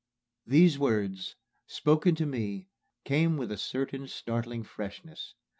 These words, spoken to me, came with a certain startling freshness.